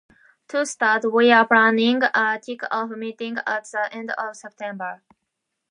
To start, we are planning a kickoff meeting at the end of September.